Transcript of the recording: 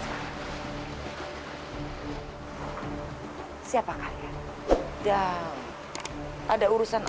fseyji link di pivot yang keduanya